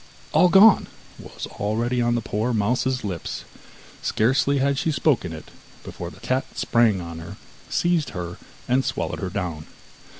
'All gone' was already on the poor mouse's lips; scarcely had she spoken it before the cat sprang on her, seized her, and swallowed her down.